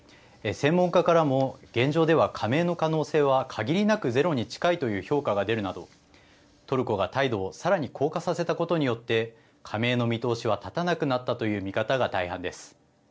専門家からも現状では加盟の可能性は限りなくゼロに近いという評価が出るなど、トルコが態度をさらに硬化させたことによって加盟の見通しは立たなくなったという見方が大半です。